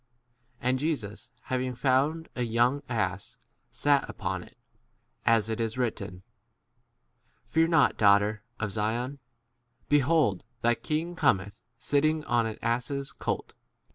And Jesus having found a young ass, sat upon it, as 15 it is written, Fear not, daughter of Zion : behold, thy king cometh, 16 sitting on an ass's colt.